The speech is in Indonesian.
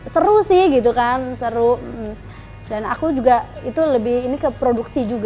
seru sih gitu kan seru dan aku juga itu lebih ini ke produksi juga